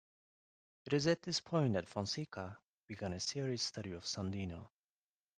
It is at this point that Fonseca "began a serious study of Sandino".